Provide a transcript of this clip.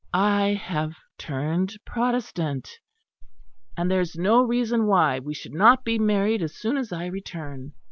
I have turned Protestant; and there is no reason why we should not be married as soon as I return.